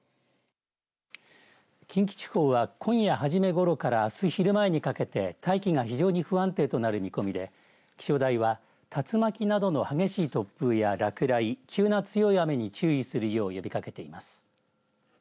近畿地方は、今夜はじめごろからあす昼前にかけて、大気が非常に不安定となる見込みで気象台は竜巻などの激しい突風や落雷急な強い雨に注意するよう呼びかけています。